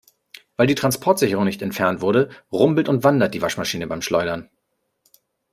Weil die Transportsicherung nicht entfernt wurde, rumpelt und wandert die Waschmaschine beim Schleudern.